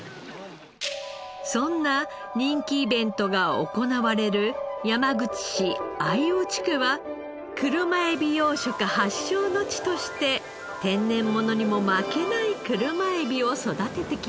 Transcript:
そんな人気イベントが行われる山口市秋穂地区は車エビ養殖発祥の地として天然ものにも負けない車エビを育ててきました。